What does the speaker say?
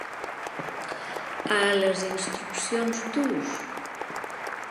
A les instruccions d'ús?